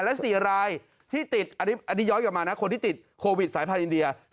และ๔รายที่ติดอันนี้ย้อนกลับมานะคนที่ติดโควิดสายพันธ์อินเดีย